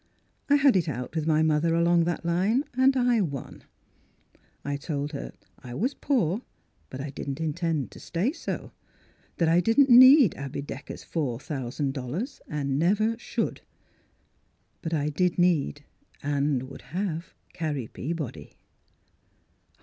I had it out with my mother along that line, and I won. I told her I was poor, but I Mzss Pkdlura's Wedding Gown didn't intend to stay so ; that I didn't need Abby Decker's four thousand dollars and never should. But I did need and would have Carrie Peabody."